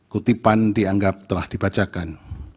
kutipan dianggap telah dibacakan